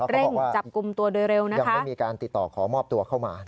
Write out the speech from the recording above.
เร่งจับกลุ่มตัวโดยเร็วนะยังไม่มีการติดต่อขอมอบตัวเข้ามา